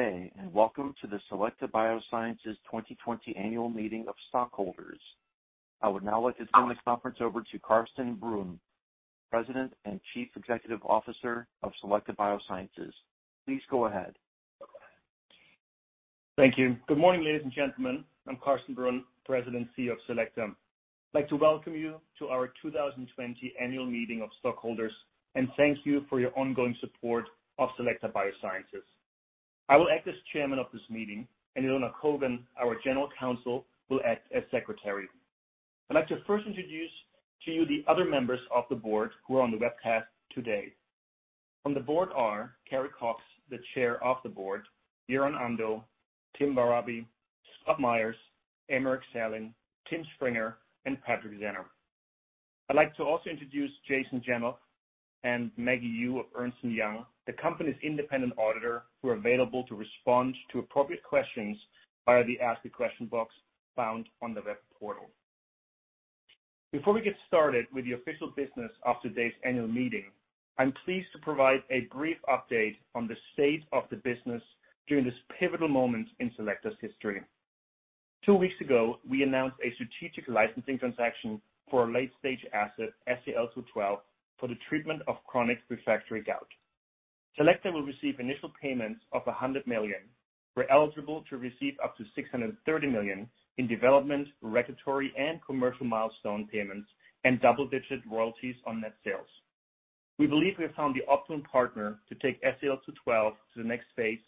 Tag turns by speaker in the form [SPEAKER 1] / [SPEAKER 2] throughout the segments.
[SPEAKER 1] Good day, and welcome to the Selecta Biosciences 2020 Annual Meeting of Stockholders. I would now like to turn the conference over to Carsten Brunn, President and Chief Executive Officer of Selecta Biosciences. Please go ahead.
[SPEAKER 2] Thank you. Good morning, ladies and gentlemen. I'm Carsten Brunn, President and CEO of Selecta. I'd like to welcome you to our 2020 Annual Meeting of Stockholders, and thank you for your ongoing support of Selecta Biosciences. I will act as Chairman of this meeting, and Elona Kogan, our General Counsel, will act as Secretary. I'd like to first introduce to you the other members of the Board who are on the webcast today. On the Board are Carrie Cox, the Chair of the Board, Göran Ando, Tim Barabe, Scott Myers, Aymeric Sallin, Tim Springer, and Patrick Zenner. I'd like to also introduce Jason Jammach and Maggie Yu of Ernst & Young, the company's independent auditor, who are available to respond to appropriate questions via the ask a question box found on the web portal. Before we get started with the official business of today's annual meeting, I'm pleased to provide a brief update on the state of the business during this pivotal moment in Selecta's history. Two weeks ago, we announced a strategic licensing transaction for a late-stage asset, SEL-212, for the treatment of chronic refractory gout. Selecta will receive initial payments of $100 million. We're eligible to receive up to $630 million in development, regulatory, and commercial milestone payments and double-digit royalties on net sales. We believe we have found the optimum partner to take SEL-212 to the next phase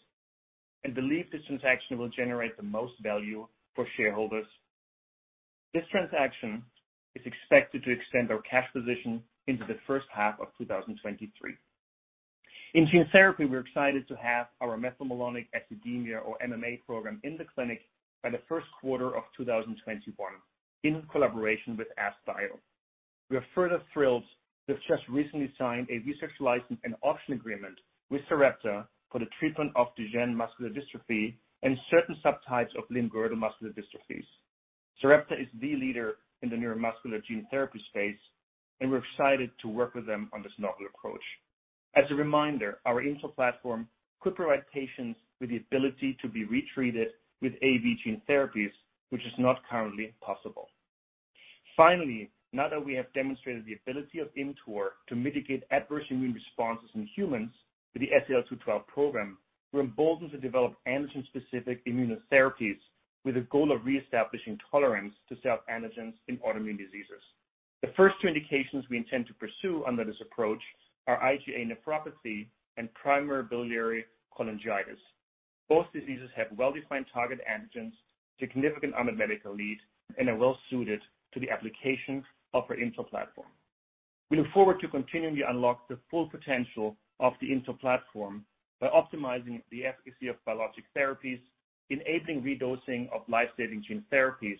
[SPEAKER 2] and believe this transaction will generate the most value for shareholders. This transaction is expected to extend our cash position into the first half of 2023. In gene therapy, we're excited to have our methylmalonic acidemia, or MMA program, in the clinic by the first quarter of 2021 in collaboration with Asklepios. We are further thrilled that we've just recently signed a research license and option agreement with Sarepta for the treatment of Duchenne muscular dystrophy and certain subtypes of limb-girdle muscular dystrophies. Sarepta is the leader in the neuromuscular gene therapy space, and we're excited to work with them on this novel approach. As a reminder, our ImmTOR platform could provide patients with the ability to be retreated with AAV gene therapies, which is not currently possible. Finally, now that we have demonstrated the ability of ImmTOR to mitigate adverse immune responses in humans with the SEL-212 program, we're emboldened to develop antigen-specific immunotherapies with the goal of reestablishing tolerance to self-antigens in autoimmune diseases. The first two indications we intend to pursue under this approach are IgA nephropathy and primary biliary cholangitis. Both diseases have well-defined target antigens, significant unmet medical needs, and are well-suited to the application of our ImmTOR platform. We look forward to continually unlock the full potential of the ImmTOR platform by optimizing the efficacy of biologic therapies, enabling redosing of life-saving gene therapies,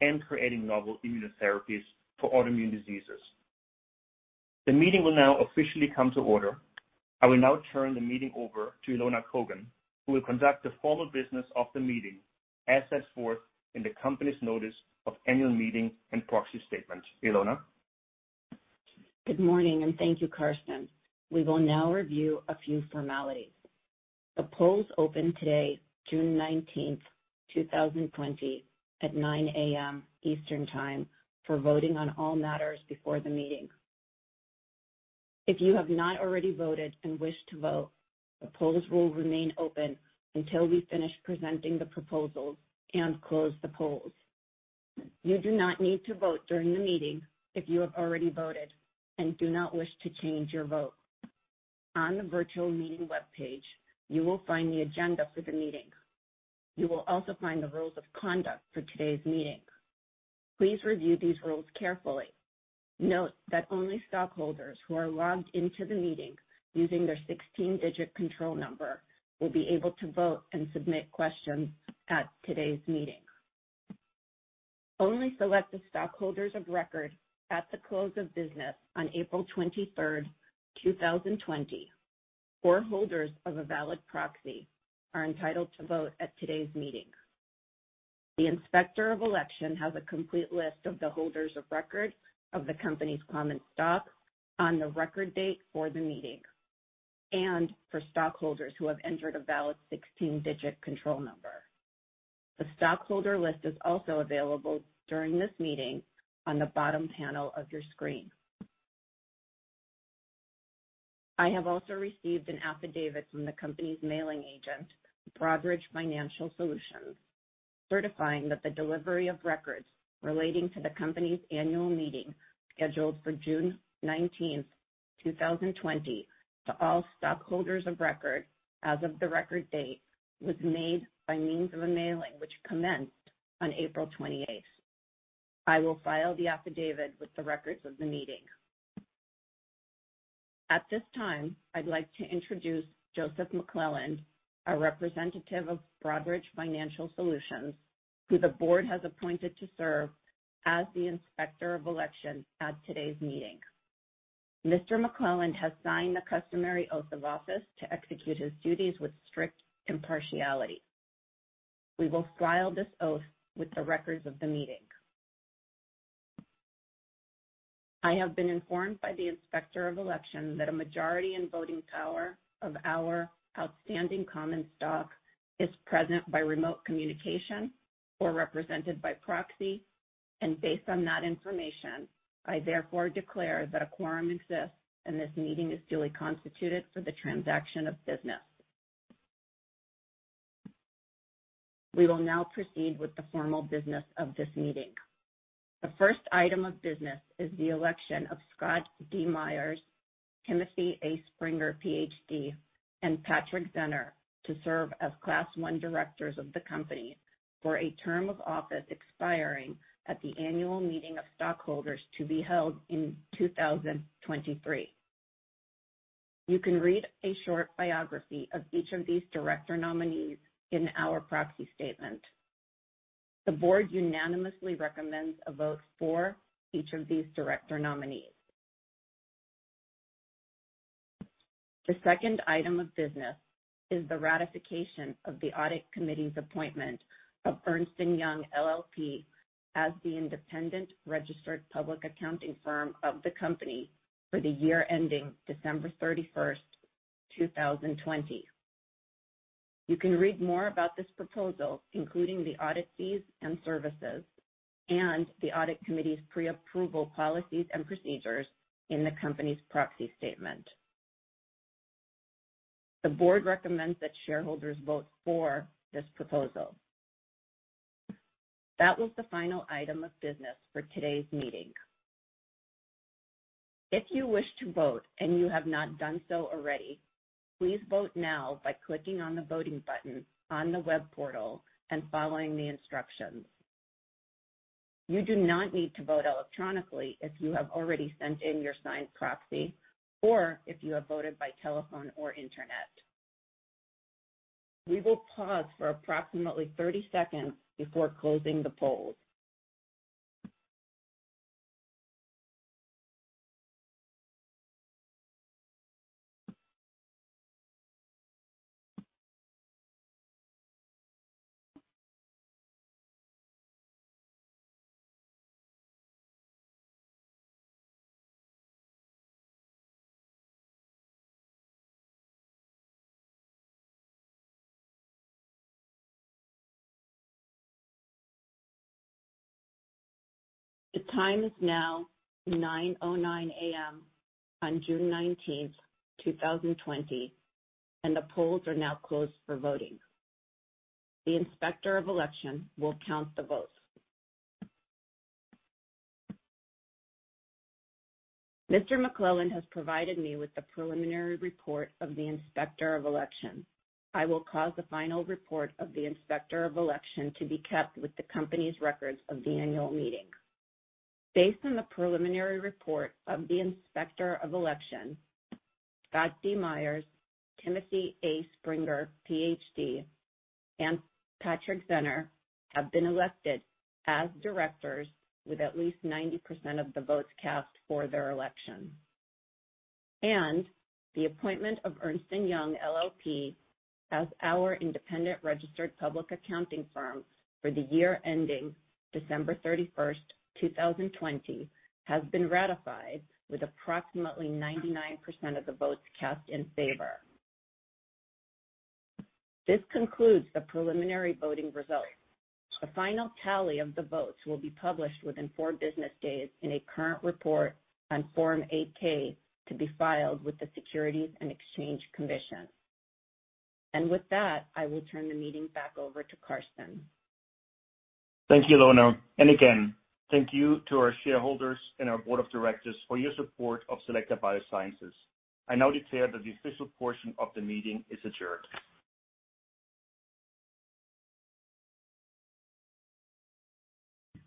[SPEAKER 2] and creating novel immunotherapies for autoimmune diseases. The meeting will now officially come to order. I will now turn the meeting over to Elona Kogan, who will conduct the formal business of the meeting as set forth in the company's notice of annual meeting and proxy statement. Elona?
[SPEAKER 3] Good morning. Thank you, Carsten. We will now review a few formalities. The polls opened today, June 19th, 2020, at 9:00 A.M. Eastern Time for voting on all matters before the meeting. If you have not already voted and wish to vote, the polls will remain open until we finish presenting the proposals and close the polls. You do not need to vote during the meeting if you have already voted and do not wish to change your vote. On the virtual meeting webpage, you will find the agenda for the meeting. You will also find the rules of conduct for today's meeting. Please review these rules carefully. Note that only stockholders who are logged into the meeting using their 16-digit control number will be able to vote and submit questions at today's meeting. Only Selecta stockholders of record at the close of business on April 23rd, 2020, or holders of a valid proxy are entitled to vote at today's meeting. The Inspector of Election has a complete list of the holders of record of the company's common stock on the record date for the meeting and for stockholders who have entered a valid 16-digit control number. The stockholder list is also available during this meeting on the bottom panel of your screen. I have also received an affidavit from the company's mailing agent, Broadridge Financial Solutions, certifying that the delivery of records relating to the company's annual meeting, scheduled for June 19th, 2020, to all stockholders of record as of the record date, was made by means of a mailing which commenced on April 28th. I will file the affidavit with the records of the meeting. At this time, I'd like to introduce Joseph McClelland, a representative of Broadridge Financial Solutions, who the board has appointed to serve as the Inspector of Election at today's meeting. Mr. McClelland has signed the customary oath of office to execute his duties with strict impartiality. We will file this oath with the records of the meeting. I have been informed by the Inspector of Election that a majority in voting power of our outstanding common stock is present by remote communication or represented by proxy, and based on that information, I therefore declare that a quorum exists, and this meeting is duly constituted for the transaction of business. We will now proceed with the formal business of this meeting. The first item of business is the election of Scott D. Myers, Timothy A. Springer, PhD, and Patrick Zenner to serve as Class I directors of the company for a term of office expiring at the annual meeting of stockholders to be held in 2023. You can read a short biography of each of these director nominees in our proxy statement. The board unanimously recommends a vote for each of these director nominees. The second item of business is the ratification of the audit committee's appointment of Ernst & Young LLP as the independent registered public accounting firm of the company for the year ending December 31st, 2020. You can read more about this proposal, including the audit fees and services, and the audit committee's pre-approval policies and procedures in the company's proxy statement. The board recommends that shareholders vote for this proposal. That was the final item of business for today's meeting. If you wish to vote and you have not done so already, please vote now by clicking on the voting button on the web portal and following the instructions. You do not need to vote electronically if you have already sent in your signed proxy or if you have voted by telephone or internet. We will pause for approximately 30 seconds before closing the polls. The time is now 9:09 A.M. on June 19th, 2020. The polls are now closed for voting. The Inspector of Election will count the votes. Mr. McClelland has provided me with the preliminary report of the Inspector of Election. I will cause the final report of the Inspector of Election to be kept with the company's records of the annual meeting. Based on the preliminary report of the Inspector of Election, Scott D. Myers, Timothy A. Springer, PhD, and Patrick Zenner have been elected as directors with at least 90% of the votes cast for their election. The appointment of Ernst & Young LLP as our independent registered public accounting firm for the year ending December 31st, 2020, has been ratified with approximately 99% of the votes cast in favor. This concludes the preliminary voting results. A final tally of the votes will be published within four business days in a current report on Form 8-K to be filed with the Securities and Exchange Commission. With that, I will turn the meeting back over to Carsten.
[SPEAKER 2] Thank you, Elona. Again, thank you to our shareholders and our board of directors for your support of Selecta Biosciences. I now declare that the official portion of the meeting is adjourned.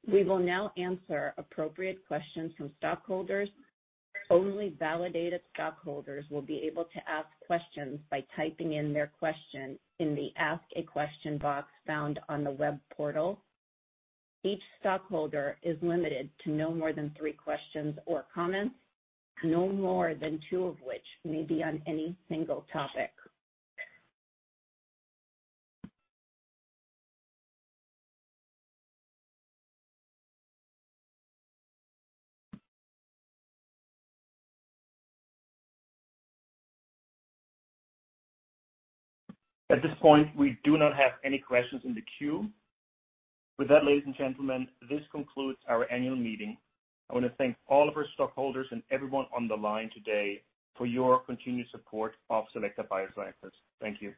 [SPEAKER 3] We will now answer appropriate questions from stockholders. Only validated stockholders will be able to ask questions by typing in their question in the Ask a Question box found on the web portal. Each stockholder is limited to no more than three questions or comments, no more than two of which may be on any single topic.
[SPEAKER 2] At this point, we do not have any questions in the queue. With that, ladies and gentlemen, this concludes our annual meeting. I want to thank all of our stockholders and everyone on the line today for your continued support of Selecta Biosciences. Thank you.